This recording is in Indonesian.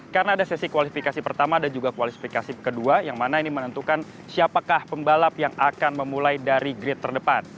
karena ada sesi kualifikasi pertama dan juga kualifikasi kedua yang mana ini menentukan siapakah pembalap yang akan memulai dari grade terdepan